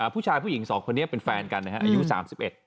ผู้หญิงสองคนนี้เป็นแฟนกันนะฮะอายุสามสิบเอ็ด